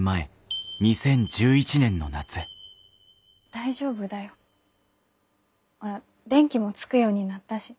大丈夫だよほら電気もつくようになったし。